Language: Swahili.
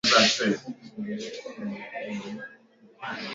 ilipotimu saa nane kamili usiku Polisi walitanda kutaka muziki uzimwe na